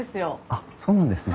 あっそうなんですね。